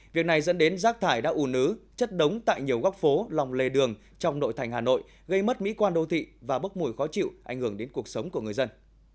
việc này dẫn đến rác thải đã ủ nứ chất đống tại nhiều góc phố lòng lề đường trong nội thành hà nội gây mất mỹ quan đô thị và bốc mùi khó chịu ảnh hưởng đến cuộc sống của người dân